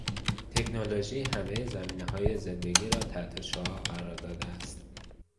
تکنولوژی همهی زمینههای زندگی را تحتالشعاع قرار داده است.